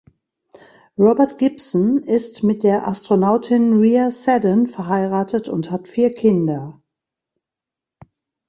Robert Gibson ist mit der Astronautin Rhea Seddon verheiratet und hat vier Kinder.